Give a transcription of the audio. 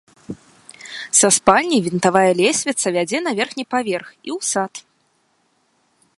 Са спальні вінтавая лесвіца вядзе на верхні паверх і ў сад.